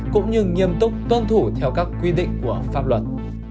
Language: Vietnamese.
cũng như nghiêm túc tuân thủ theo các quy định của pháp luật